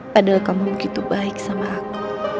padahal kamu begitu baik sama aku